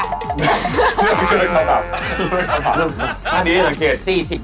ท่านี้ได้สังเกตฟักษณ์